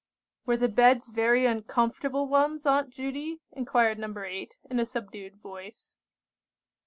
"Were the beds very uncomfortable ones, Aunt Judy?" inquired No. 8, in a subdued voice.